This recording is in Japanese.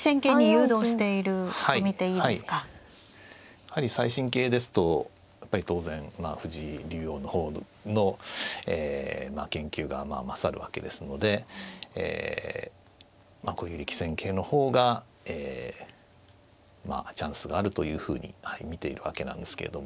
やはり最新型ですとやっぱり当然藤井竜王の方の研究が勝るわけですのでこういう力戦形の方がええまあチャンスがあるというふうに見ているわけなんですけれども。